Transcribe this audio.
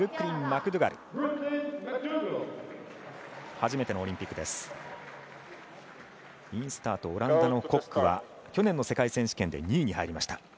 インスタート、オランダのコックは去年の世界選手権で２位に入りました。